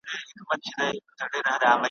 ور په برخه زغري توري او ولجې وې `